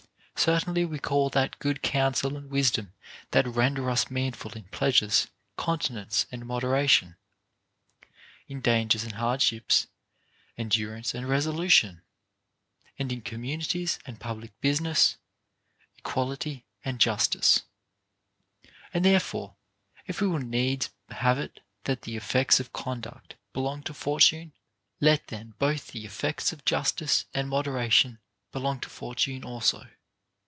Certainly we call that good counsel and wisdom that render us manful in pleasures continence and moderation ; in dangers and hardships, endurance and resolution ; and in communities and public business, equality and justice. And therefore if we will needs have it that the effects of conduct belong to Fortune, let then both the effects of justice and moderation belong to For tune also.